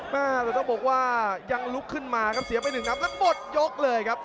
แต่ต้องบอกว่ายังลุกขึ้นมาครับเสียไปหนึ่งนับแล้วหมดยกเลยครับ